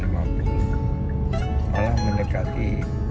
malah mendekati dua ratus